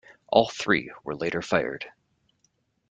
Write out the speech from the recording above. All three were later fired.